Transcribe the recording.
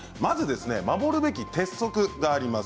守るべき鉄則があります。